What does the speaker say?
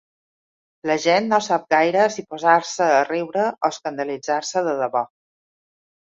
La gent no sap gaire si posar-se a riure o escandalitzar-se de debò.